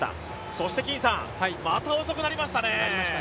そして、また遅くなりましたね。